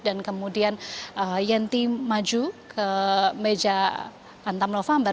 dan kemudian yanti maju ke meja antem novambar